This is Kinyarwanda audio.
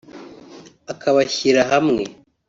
akabashyira hamwe